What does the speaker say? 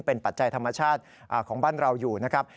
เป็นปัจจัยธรรมชาติของบ้านเราอยู่นะครับ